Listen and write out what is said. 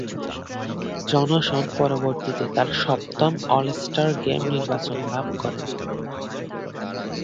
Johnson পরবর্তীতে তার সপ্তম অল-স্টার গেম নির্বাচন লাভ করেন।